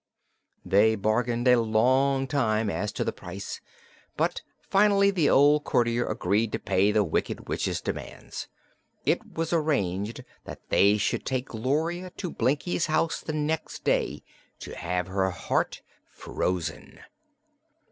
They bargained a long time as to the price, but finally the old courtier agreed to pay the Wicked Witch's demands. It was arranged that they should take Gloria to Blinkie's house the next day, to have her heart frozen.